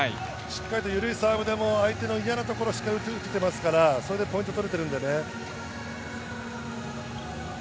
ゆるいサーブでも相手の嫌なところを打っていますから、それでポイントが取れているのでね。